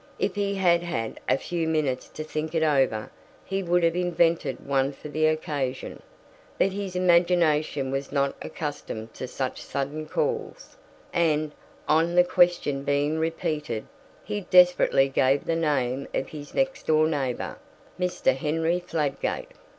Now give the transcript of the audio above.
If he had had a few minutes to think it over he would have invented one for the occasion, but his imagination was not accustomed to such sudden calls, and, on the question being repeated, he desperately gave the name of his next door neighbour, Mr. Henry Fladgate.